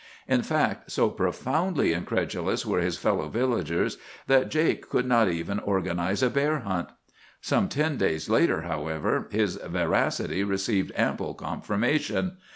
In fact, so profoundly incredulous were his fellow villagers, that Jake could not even organize a bear hunt. Some ten days later, however, his veracity received ample confirmation.